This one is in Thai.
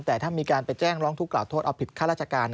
แต่ถ้ามีการไปแจ้งร้องทุกขล่าโทษเอาผิดข้าราชการ